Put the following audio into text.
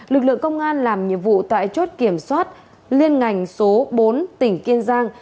lực lượng công an làm nhiệm vụ tại chốt kiểm soát liên ngành số bốn tỉnh kiên giang